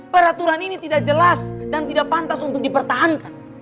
peraturan ini tidak jelas dan tidak pantas untuk dipertahankan